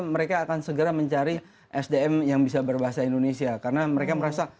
mereka akan segera mencari sdm yang bisa berbahasa indonesia karena mereka merasa